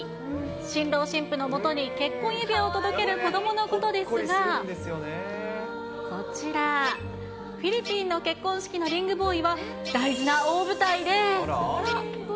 新郎新婦のもとに結婚指輪を届ける子どものことですが、こちら、フィリピンの結婚式のリングボーイは、大事な大舞台で。